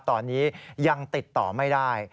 ตอนนี้ยังติดต่อไม่ได้